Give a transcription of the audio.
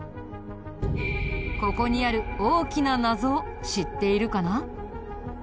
ここにある大きな謎を知っているかな？